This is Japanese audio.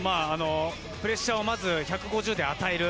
プレッシャーをまず１５０で与える。